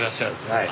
はい。